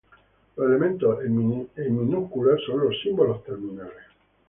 Los elementos en minúsculas son los "símbolos terminales".